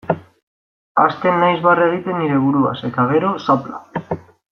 Hasten naiz barre egiten nire buruaz, eta gero, zapla.